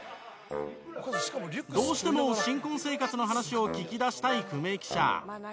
どうしても新婚生活の話を聞き出したい久米記者。